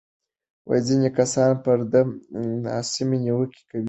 ځینې کسان پر ده ناسمې نیوکې کوي.